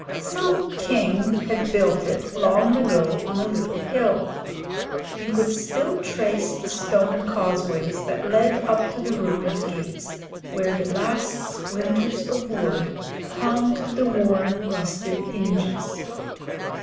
Some king had built it long ago on a little hill. You could still trace the stone causeways that led up to the ruined gates where the last splinters of wood hung to the worn, rusted hinges.